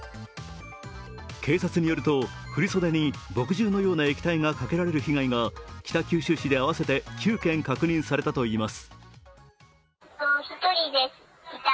警察によると、振り袖に墨汁のような液体がかけられる被害が北九州市で合わせて９件確認されたといいます。